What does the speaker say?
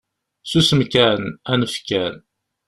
Susem kan, anef kan.